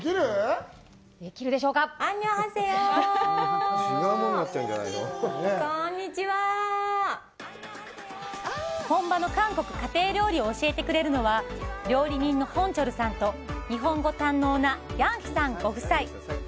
アニョハセヨこんにちは本場の韓国家庭料理を教えてくれるのは料理人のホンチョルさんと日本語堪能なヤンヒィさんご夫妻